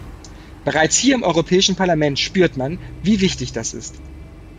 Bereits hier im Europäischen Parlament spürt man, wie wichtig das ist.